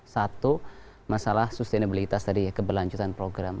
satu masalah sustainability tadi ya keberlanjutan program